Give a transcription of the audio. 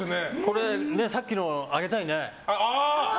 さっきの、あげたいね。